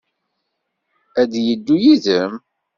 Ad d-yeddu yid-m?